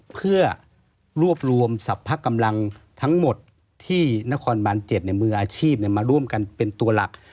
เพื่อรวบรวมสรรพกำลังทั้งหมดที่นครบาน๗มืออาชีพมาร่วมกันเป็นตัวหลัก